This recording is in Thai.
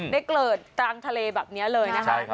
เกิดกลางทะเลแบบนี้เลยนะคะ